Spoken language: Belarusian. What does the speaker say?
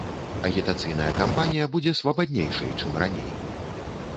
Агітацыйная кампанія будзе свабаднейшай, чым раней.